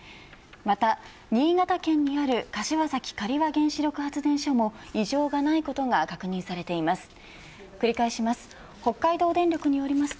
また新潟県にある柏崎刈羽原子力発電所も異常がないことが確認されています。